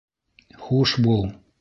Хуш бул.